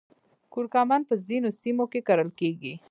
کورکمن په ځینو سیمو کې کرل کیږي